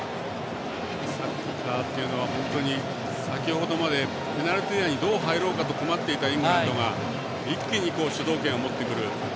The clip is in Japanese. サッカーというのは本当に先ほどまでペナルティーエリアにどう入ろうかと困っていたイングランドが一気に主導権を持ってくる。